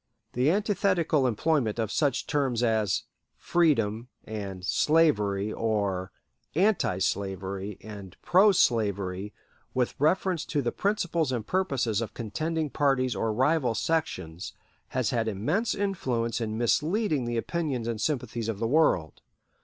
The antithetical employment of such terms as freedom and slavery, or "anti slavery" and "pro slavery," with reference to the principles and purposes of contending parties or rival sections, has had immense influence in misleading the opinions and sympathies of the world.